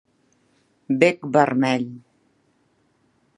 Bec vermell.